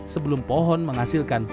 sebelum pohon menghasilkan